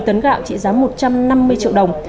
một mươi tấn gạo trị giá một trăm năm mươi triệu đồng